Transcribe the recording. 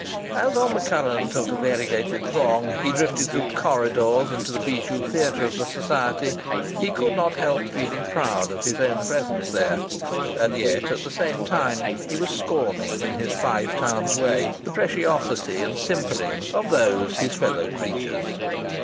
As on the current of the variegated throng he drifted through corridors into the bijou theatre of the Society, he could not help feeling proud of his own presence there and yet at the same time he was scorning, in his Five Towns way, the preciosity and the simperings of those his fellow creatures.